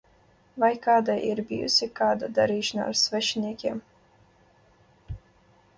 Vai kādai ir bijusi kāda darīšana ar svešiniekiem?